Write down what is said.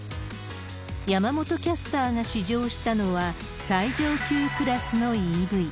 山本キャスターが試乗したのは、最上級クラスのＥＶ。